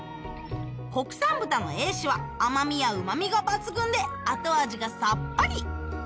国産豚のＡ脂は甘みやうま味が抜群で後味がさっぱり！